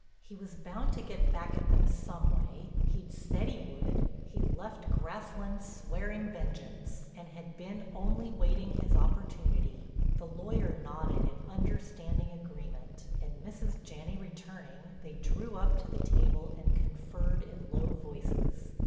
He was bound to get back at them some way, he'd said he would—he'd left Grasslands swearing vengeance, and had been only waiting his opportunity. The lawyer nodded in understanding agreement and, Mrs. Janney returning, they drew up to the table and conferred in low voices.